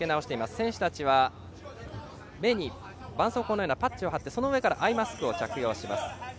選手たちは目にばんそうこうのようなパッチを貼って、その上からアイマスクを着用します。